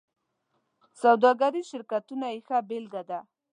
سوداګریز شرکتونه یې ښه بېلګه ده.